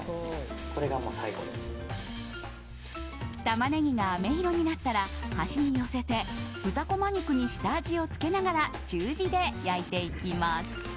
タマネギがあめ色になったら端に寄せて豚こま肉に下味をつけながら中火で焼いていきます。